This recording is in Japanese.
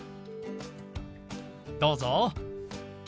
どうぞ。